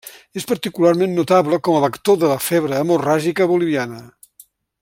És particularment notable com a vector de la febre hemorràgica boliviana.